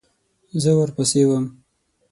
زه ورپسې وم .